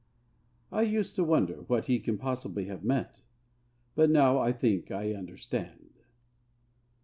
I used to wonder what he can possibly have meant; but now I think I understand.